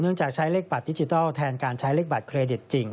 จากใช้เลขบัตรดิจิทัลแทนการใช้เลขบัตรเครดิตจริง